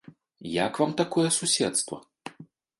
Як вам такое суседства?